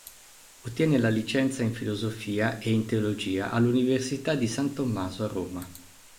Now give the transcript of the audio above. Ottiene la licenza in filosofia ed in teologia all'Università di San Tommaso a Roma.